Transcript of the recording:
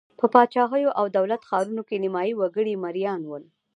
په پاچاهیو او دولت ښارونو کې نیمايي وګړي مریان وو.